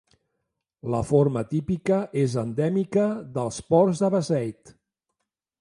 La forma típica és endèmica dels Ports de Beseit.